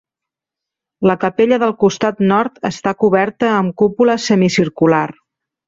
La capella del costat nord està coberta amb cúpula semicircular.